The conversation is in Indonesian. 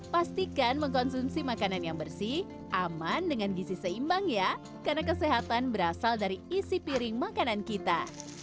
pastikan mengkonsumsi makanan yang bersih aman dengan gizi seimbang ya karena kesehatan berasal dari isi piring makanan kita